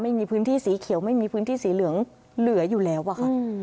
ไม่มีพื้นที่สีเขียวไม่มีพื้นที่สีเหลืองเหลืออยู่แล้วอะค่ะ